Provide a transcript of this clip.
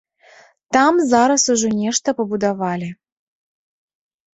Там зараз ужо нешта пабудавалі.